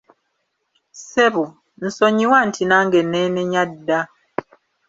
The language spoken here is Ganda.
Ssebo, nsonyiwa anti nange neenenya dda.